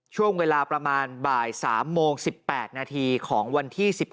ช่วงเวลาประมาณบ่าย๓โมง๑๘นาทีของวันที่๑๖